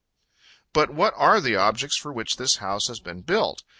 But what are the objects for which this house has been built?